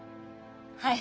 はい。